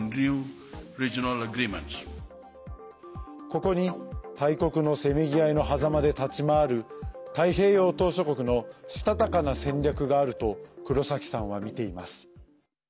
ここに大国のせめぎ合いのはざまで立ち回る太平洋島しょ国のしたたかな戦略があると黒崎さんはみています。